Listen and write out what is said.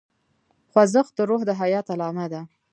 خوځښت د روح د حیات علامه ده.